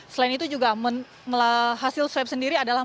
selain itu juga hasil swab sendiri adalah